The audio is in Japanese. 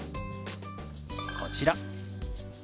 こちら。